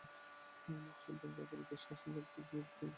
অনেকে সন্তানকে অতিরিক্ত শাসন করতে গিয়ে রীতিমতো তার জীবন অতিষ্ঠ করে তোলেন।